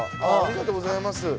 ありがとうございます。